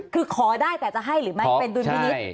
คือขอได้แต่จะให้หรือไม่เป็นดุลพินิษฐ์